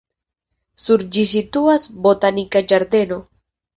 Sur ĝi situas botanika ĝardeno.